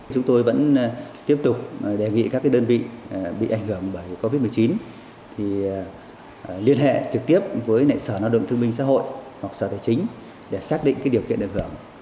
chúng tôi vẫn tiếp tục đề nghị các cái đơn vị bị ảnh hưởng bởi covid một mươi chín thì liên hệ trực tiếp với nệ sở ngoại đồng thương minh xã hội hoặc sở tài chính để xác định cái điều kiện ảnh hưởng